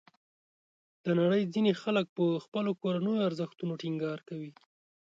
د نړۍ ځینې خلک په خپلو کورنیو ارزښتونو ټینګار کوي.